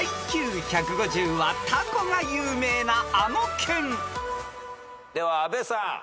［ＩＱ１５０はたこが有名なあの県］では阿部さん。